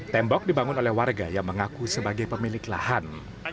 tembok dibangun oleh warga yang mengaku sebagai pemilik lahan